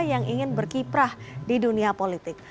yang ingin berkiprah di dunia politik